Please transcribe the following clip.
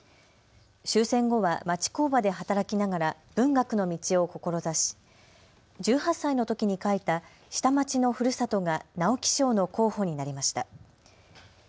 終戦後は町工場で働きながら文学の道を志し１８歳のときに書いた下町の故郷が直木賞の候補になりました。